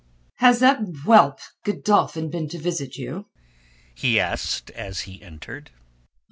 "Has that whelp Godolphin been to visit you?" he asked as he entered.